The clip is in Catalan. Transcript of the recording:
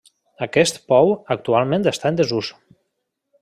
Aquest pou actualment està en desús.